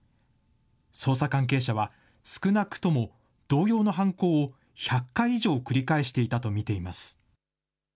捜査関係者は、少なくとも同様の犯行を１００回以上繰り返していたと見ています。